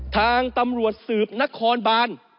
ทางตำรวจสืบนครบาน